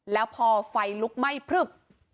แล้วพอไฟลุกไหม้พลึบ